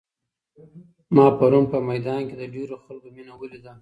ما پرون په میدان کې د ډېرو خلکو مینه ولیده.